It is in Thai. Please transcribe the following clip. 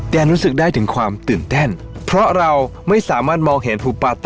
แต่รู้สึกได้ถึงความตื่นเต้น